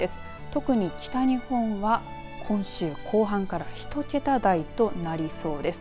特に北日本は今週後半から１桁台となりそうです。